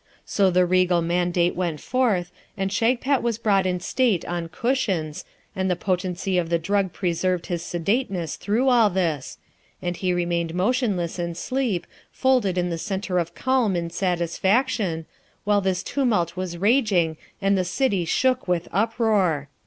So the regal mandate went forth, and Shagpat was brought in state on cushions, and the potency of the drug preserved his sedateness through all this, and he remained motionless in sleep, folded in the centre of calm and satisfaction, while this tumult was rageing and the City shook with uproar.